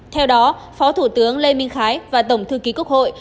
theo đó phó thủ tướng lê minh khái và tổng thư ký quốc hội